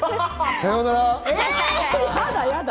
さようなら。